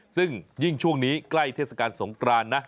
ซึ่งยิ่งช่วงนี้ใกล้เทศกาลสงกรานนะ